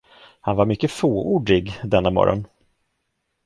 Han var mycket fåordig denna morgon.